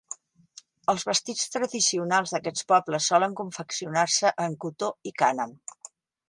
Els vestits tradicionals d'aquests pobles solen confeccionar-se en cotó i cànem.